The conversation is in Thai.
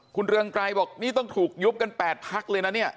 คุณเรืองไกรบอกนี่ต้องถูกยุบกัน๘พักเลยนะเนี่ย